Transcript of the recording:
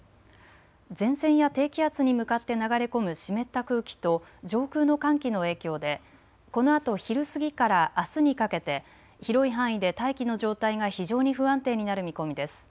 前線や低気圧に向かって流れ込む湿った空気と上空の寒気の影響でこのあと昼過ぎからあすにかけて広い範囲で大気の状態が非常に不安定になる見込みです。